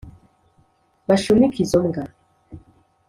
Bashumike izo mbwa